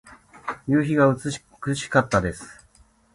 夕日が美しかったです。